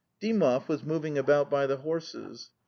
...' Dymov was moving about by the horses.